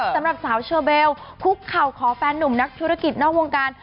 สำหรับสาวเชอเบลคุกเข่าขอแฟนหนุ่มนักธุรกิจนอกวงการ